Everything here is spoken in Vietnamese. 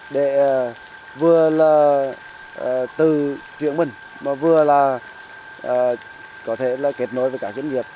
để vừa là từ chuyển mình mà vừa là có thể kết nối với các doanh nghiệp